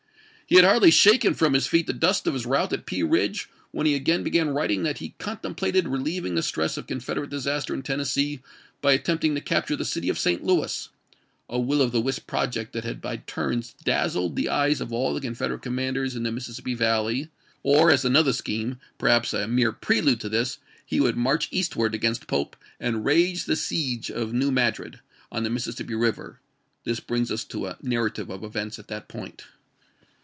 He had hardly shaken from his feet the dust of his rout at Pea Ridge when he again began writing that he contemplated relieving the stress of Confederate disaster in Tennessee by ^^^^^^^ attempting to capture the city of St. Louis, a wiU Johnston, o' the wisp project that had by tm^ns dazzled the i^2.^'^w!r. eyes of all the Confederate commanders in the Mis p.' 790. " sissippi Valley ; or, as another scheme, perhaps a mere prelude to this, he would march eastward against Pope and raise the siege of New Madrid, on the Mississippi River. This brings us to a narrative of events at that point.